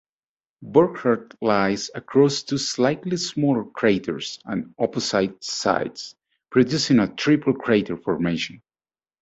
Burckhardt lies across two slightly smaller craters on opposite sides, producing a triple-crater formation.